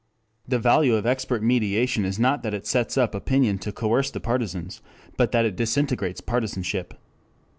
The value of expert mediation is not that it sets up opinion to coerce the partisans, but that it disintegrates partisanship.